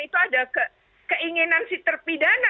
itu ada keinginan si terpidana